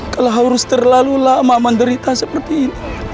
kalau harus terlalu lama menderita seperti ini